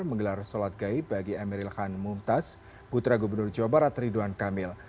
menggelar sholat gaib bagi emeril khan mumtaz putra gubernur jawa barat ridwan kamil